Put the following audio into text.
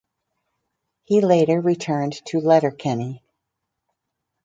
He later returned to Letterkenny.